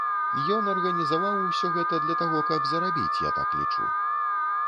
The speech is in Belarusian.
Ён арганізаваў усё гэта для таго, каб зарабіць, я так лічу.